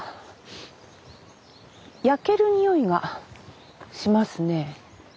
焼けるにおいがしますね。